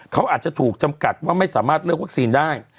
เขาอาจจะถูกจำกัดว่าไม่สามารถเลือกวัคซีนได้